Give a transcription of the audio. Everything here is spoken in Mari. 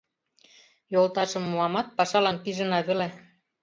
Йолташым муамат, пашалан пижына веле.